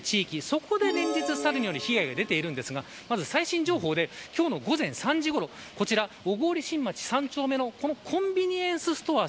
そこで連日、サルによる被害が出ているんですがまず最新情報で今日の午前３時ごろこちら小郡新町３丁目のコンビニエンスストア